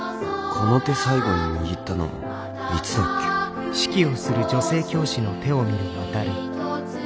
この手最後に握ったのいつだっけ「星ひとつ」